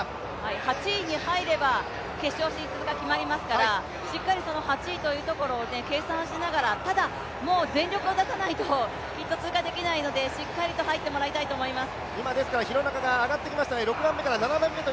８位に入れば決勝進出が決まりますからしっかりその８位というところを計算しながら、ただもう全力を出さないと通過できないと思うのできっと通過できないので、しっかりと入ってもらいたいと思います。